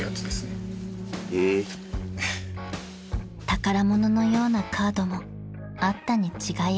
［宝物のようなカードもあったに違いありません］